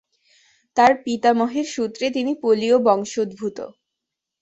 তার পিতামহের সূত্রে তিনি পোলীয় বংশোদ্ভূত।